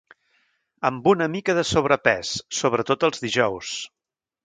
Amb una mica de sobrepès, sobretot els dijous.